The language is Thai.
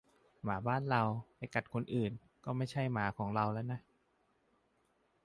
"หมาบ้านเรา ไปกัดคนอื่น ก็ไม่ใช่หมาของเราแล้วนะ"